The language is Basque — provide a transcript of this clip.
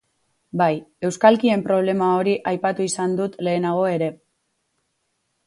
Bai, euskalkien problema hori aipatu izan dut lehenago ere.